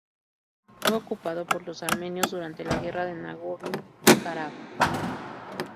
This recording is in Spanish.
Fue ocupado por los armenios durante la guerra de Nagorno-Karabaj.